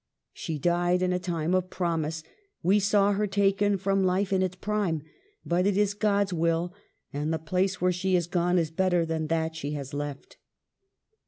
" She died in a time of promise. We saw her taken from life in its prime. But it is God's will, and the place where she is gone is better than that she has left."